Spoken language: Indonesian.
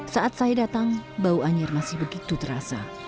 saat saya datang bau anjir masih begitu terasa